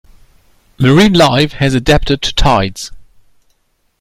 Marine life has adapted to tides.